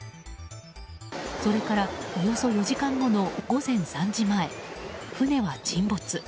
それからおよそ４時間後の午前３時前、船は沈没。